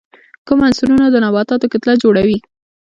کوم عنصرونه د نباتاتو کتله جوړي؟